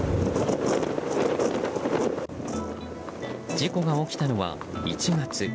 事故が起きたのは１月。